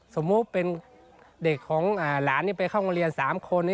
สมมุติเป็นเด็กของหลานที่ไปเข้าโรงเรียน๓คน